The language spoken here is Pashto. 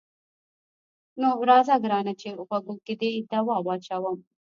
ښه نو راځه ګرانه چې غوږو کې دې دوا واچوم.